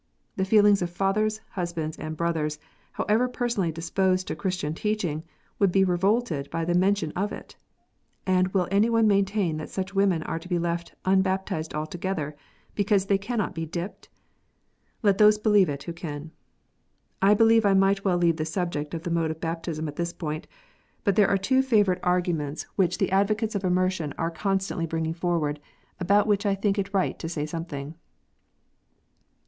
The feelings of fathers, husbands, and brothers, however personally disposed to Christian teaching, would be revolted by the mention of it. And will any one maintain that such women are. to be left un baptized altogether because they cannot be " dipped "? Let those believe it who can. I believe I might well leave the subject of the mode of baptism at this point. But there are two favourite arguments 04 KNOTS UNTIED. which the advocates of immersion are constantly bringing forward, about which I think it right to say something.